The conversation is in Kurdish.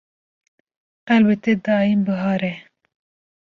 Qelbê te daîm bihar e